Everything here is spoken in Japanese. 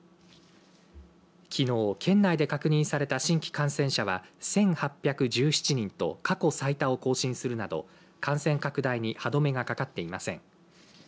きのう県内で確認された新規感染者は１８１７人と過去最多を更新するなど感染拡大に歯止めがかかっていません。